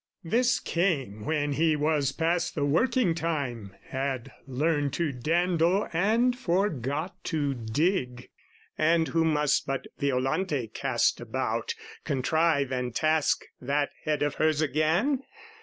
This came when he was past the working time, Had learned to dandle and forgot to dig, And who must but Violante cast about, Contrive and task that head of hers again?